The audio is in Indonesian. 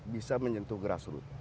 bisa menyentuh geras rut